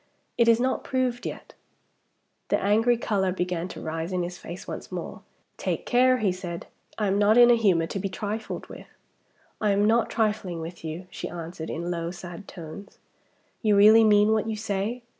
It is not proved yet." The angry color began to rise in his face once more. "Take care," he said; "I am not in a humor to be trifled with." "I am not trifling with you," she answered, in low, sad tones. "You really mean what you say?"